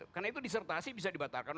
karena itu disertasi bisa dibatalkan